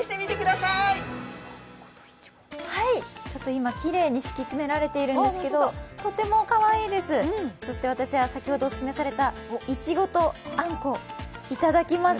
今、きれいに敷き詰められているんですけどとてもかわいいです、そして私は先ほどおすすめされたいちごとあんこ、いただきます。